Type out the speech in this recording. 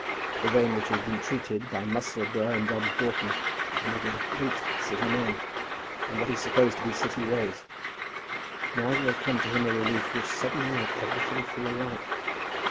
The way in which he had been treated by Musselboro and Dobbs Broughton had made him hate City men, and what he supposed to be City ways. Now there had come to him a relief which suddenly made everything feel light.